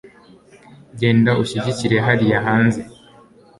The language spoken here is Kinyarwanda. genda ushyigikire hariya hanze